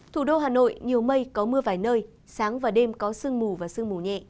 thủ đô hà nội nhiều mây có mưa vài nơi sáng và đêm có sương mù và sương mù nhẹ